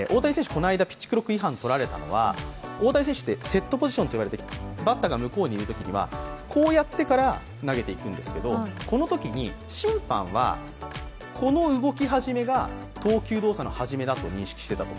この間ピッチクロック違反をとられたのは大谷選手って、セットポジションというバッターが向こうにいるときにはこうやってから投げていくんですけど、このときに審判はこの動き始めが投球動作の始めだと認識していたと。